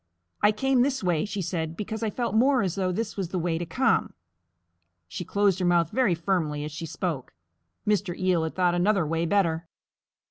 "I came this way," she said, "because I felt more as though this was the way to come." She closed her mouth very firmly as she spoke. Mr. Eel had thought another way better.